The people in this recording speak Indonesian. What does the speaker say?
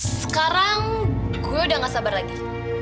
sekarang gue udah gak sabar lagi